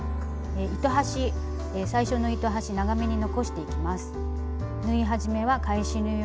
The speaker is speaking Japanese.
糸端最初の糸端長めに残していきます。